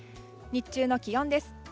日中の気温です。